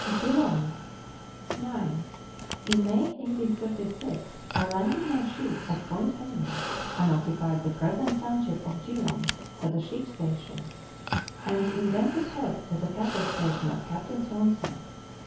GEELONG. 9. In May 1836 I landed my sheep at Point Henry, and occupied the present township of Geelong as a sheep station, and Indented Head as a cattle station for Capt. Swanston.